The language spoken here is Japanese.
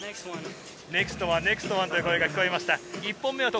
ネクストワンという声が聞こえました。